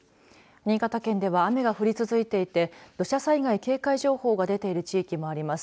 新潟県では、雨が降り続いていて土砂災害警戒情報が出ている地域もあります。